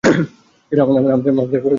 আমাদের কিফের রুম বদলে দিতে হবে।